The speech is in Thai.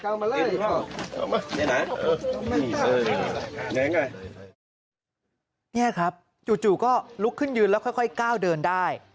นี่ครับจู่ก็ลุกขึ้นยืนแล้วค่อยก้าวเดินได้